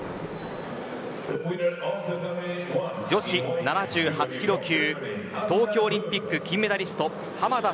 女子７８キロ級東京オリンピック金メダリスト濱田